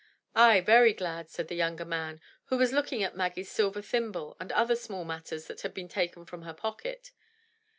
"Ay, very glad,*' said the younger man, who was looking at Maggie's silver thimble and other small matters that had been taken from her pocket.